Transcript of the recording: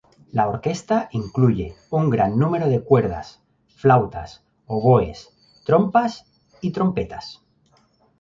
La orquesta incluye un gran número de cuerdas, flautas, oboes, trompas y trompetas.